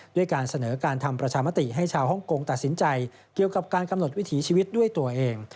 ด้วยการเสนอการทำประชามติให้ชาวฮ่องกงตัดสินใจเกี่ยวกับการกำหนดวิถีชีวิตด้วยตัวเอง